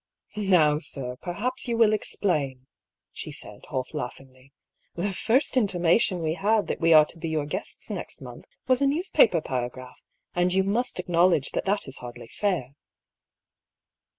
'^ Now, sir, perhaps you will explain," she said, half laughingly. '^ The first intimation we had that we are to be your guests next month was a newspaper paragraph, and you must acknowledge that that is hardly fair."